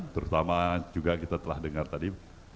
terutama juga kita telah dengar tadi